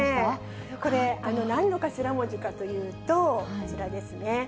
これ、なんの頭文字かというと、こちらですね。